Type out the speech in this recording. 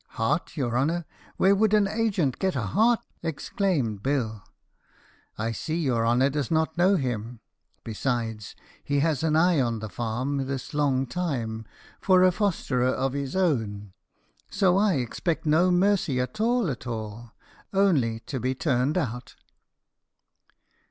"Heart, your honour; where would an agent get a heart!" exclaimed Bill. "I see your honour does not know him; besides, he has an eye on the farm this long time for a fosterer of his own; so I expect no mercy at all at all, only to be turned out."